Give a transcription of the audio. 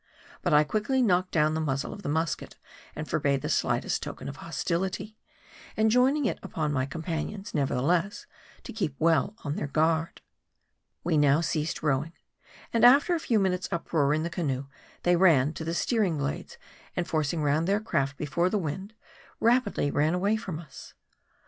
But I quickly knocked down the muzzle of his musket, and forbade the slightest token of hostility ; en joining it upon my companions, nevertheless, to keep well on theii guard. M A E D I. 155 We now ceased rowing, and after a few minutes' uproar in the canoe, they ran to the steering paddles, and forcing round their craft before the wind, rapidly ran away from us.